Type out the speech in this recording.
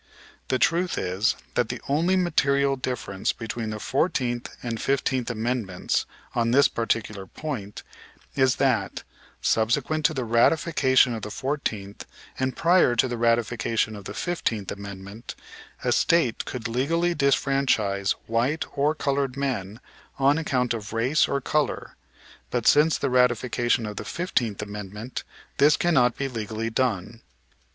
The truth is that the only material difference between the Fourteenth and Fifteenth Amendments on this particular point is that, subsequent to the ratification of the Fourteenth and prior to the ratification of the Fifteenth Amendment, a State could legally disfranchise white or colored men on account of race or color, but, since the ratification of the Fifteenth Amendment, this cannot be legally done.